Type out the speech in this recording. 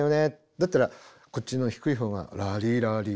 だったらこっちの低いほうが「ラリラリラララ」って。